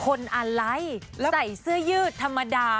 คนอะไรใส่เสื้อยืดธรรมดา